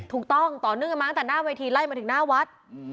ถูกต้องต่อเนื่องกันมาตั้งแต่หน้าเวทีไล่มาถึงหน้าวัด